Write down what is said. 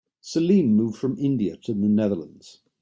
Salim moved from India to the Netherlands.